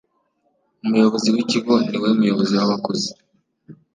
Umuyobozi w’ikigo ni we muyobozi w’abakozi